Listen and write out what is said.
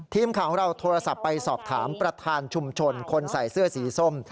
ทีมข่าวของเราโทรศัพท์ไปสอบถามประธานชุมชนคนใส่เสื้อสีส้ม